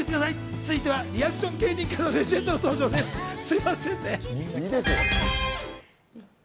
続いてはリアクション芸人のレジェンドが登場です。